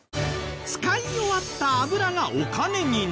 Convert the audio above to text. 使い終わった油がお金になる。